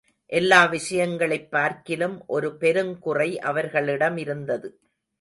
எல்லா விஷயங்களைப் பார்க்கிலும் ஒரு பெருங்குறை அவர்களிடமிருந்தது.